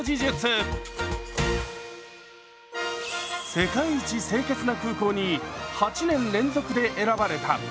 「世界一清潔な空港」に８年連続で選ばれた羽田空港。